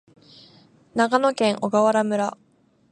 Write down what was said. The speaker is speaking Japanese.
長野県小川村